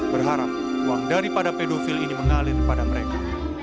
berharap uang daripada pedofil ini mengalir pada mereka